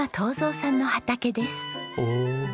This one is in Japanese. おお。